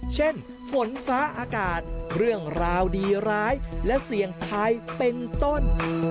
ฝนฟ้าอากาศเรื่องราวดีร้ายและเสี่ยงทายเป็นต้น